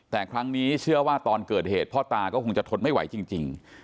แต่ครั้งนี้เชื่อว่าตอนเกิดเหตุพ่อตาก็คงจะทนไม่ไหวจริง